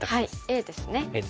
Ａですね。